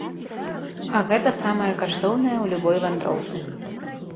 А гэта самае каштоўнае ў любой вандроўцы.